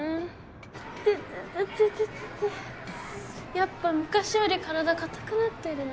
イテテテやっぱ昔より身体硬くなってるな。